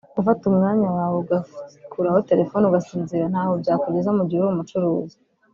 gufata umwanya wawe ugakuraho telephone ugasinzira ntaho byakugeza mu gihe uri umucuruzi